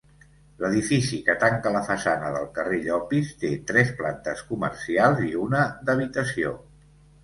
L'edifici que tanca la façana del carrer Llopis té tres plantes comercials i una d'habitació.